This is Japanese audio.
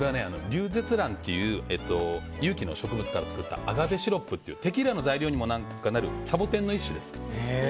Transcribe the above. リュウゼツランっていう有機の植物から作ったアガベシロップというテキーラの材料にもなるサボテンの一種です。